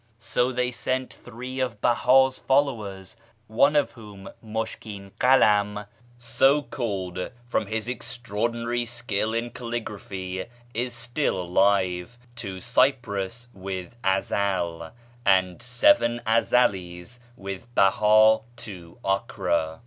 So they sent three of Bella's followers (one of whom, Mushkin Kalam, so called from his extraordinary skill in calligraphy, is still alive) to Cyprus with Ezel, and seven Ezelis with Beha to Acre.